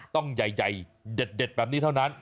ต้องใหญ่เด็ดแบบนี้เท่านั้น